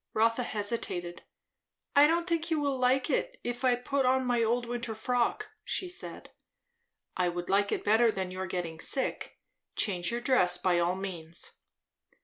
Rotha hesitated. "I don't think you will like it, if I put on my old winter frock," she said. "I would like it better than your getting sick. Change your dress by all means."